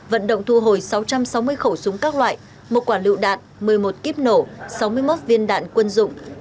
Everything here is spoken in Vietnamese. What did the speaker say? vận động thu hồi sáu trăm sáu mươi khẩu súng các loại một quả lựu đạn một mươi một kíp nổ sáu mươi một viên đạn quân dụng